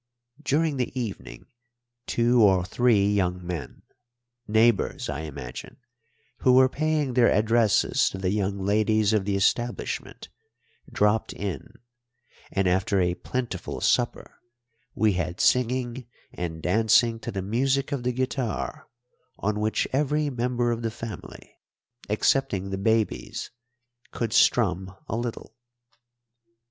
During the evening two or three young men neighbours, I imagine, who were paying their addresses to the young ladies of the establishment dropped in; and after a plentiful supper, we had singing and dancing to the music of the guitar, on which every member of the family excepting the babies could strum a little.